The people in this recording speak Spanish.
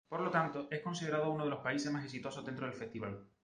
Por lo tanto, es considerado uno de los países más exitosos dentro del festival.